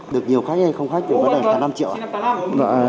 được nhiều khách hay không khách được năm triệu ạ